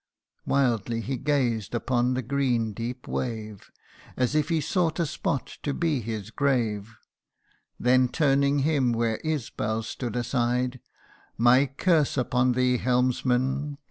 Wildly he gazed upon the green deep wave, As if he sought a spot to be his grave ; Then turning hirn where Isbal stood aside, " My curse upon thee, helmsman